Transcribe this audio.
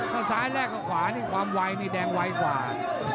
ถ้าซ้ายแลกกับขวานี่ความไวนี่แดงไวกว่า